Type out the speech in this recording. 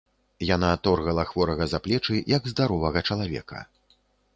Яна торгала хворага за плечы, як здаровага чалавека.